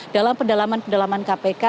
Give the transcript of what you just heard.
dalam pendalaman pendalaman kpk